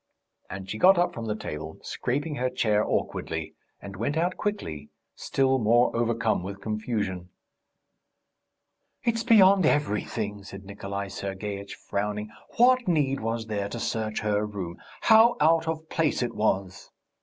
And she got up from the table, scraping her chair awkwardly, and went out quickly, still more overcome with confusion. "It's beyond everything!" said Nikolay Sergeitch, frowning. "What need was there to search her room? How out of place it was!"